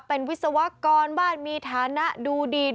เป็นวิศวกรบ้านมีฐานะดูดี